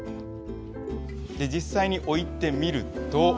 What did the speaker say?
実際に置いてみると。